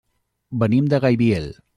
Venim de Gaibiel.